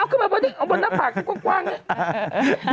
เอาขึ้นมาอยู่บนน้ำผักกว้างนี่